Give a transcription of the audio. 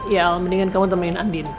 ya mendingan kamu temenin andin